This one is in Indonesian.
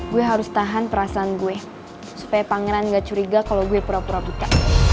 gue harus tahan perasaan gue supaya pangeran gak curiga kalau gue pura pura puta